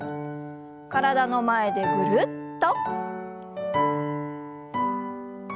体の前でぐるっと。